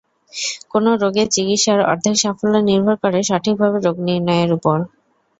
কোনো রোগের চিকিৎসার অর্ধেক সাফল্য নির্ভর করে সঠিকভাবে রোগ নির্ণয়ের ওপর।